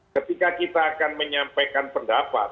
ketika kita akan menyampaikan pendapat